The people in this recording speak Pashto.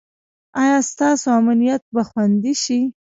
ایا ستاسو امنیت به خوندي شي؟